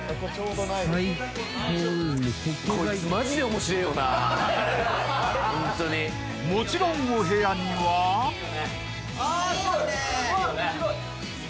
［もちろんお部屋には］いいね。